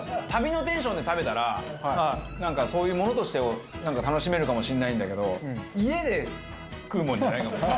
旅のテンションで食べたらなんかそういうものとしてなんか楽しめるかもしれないんだけど家で食うもんじゃないかも。